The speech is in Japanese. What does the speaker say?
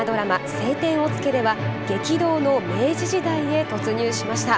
「青天を衝け」では激動の明治時代へ突入しました。